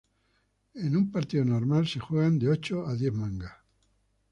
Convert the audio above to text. En un partido normal se juegan de ocho a diez mangas.